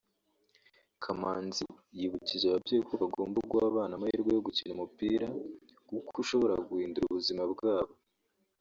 Kamanzi yibukije ababyeyi ko bagomba guha abana amahirwe yo gukina umupira kuko ushobora guhindura ubuzima bwabo